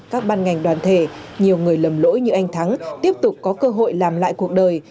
các ban ngành đoàn thể nhiều người lầm lỗi như anh thắng tiếp tục có cơ hội làm lại cuộc đời